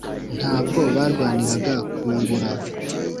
nta bwo barwaniraga kwungura